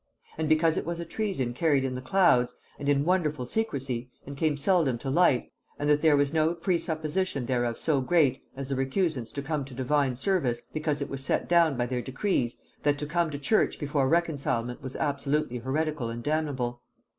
And because it was a treason carried in the clouds, and in wonderful secresy, and came seldom to light, and that there was no presupposition thereof so great, as the recusants to come to divine service, because it was set down by their decrees, that to come to church before reconcilement was absolutely heretical and damnable.